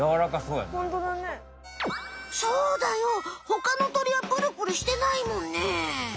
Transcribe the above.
ほかの鳥はプルプルしてないもんね。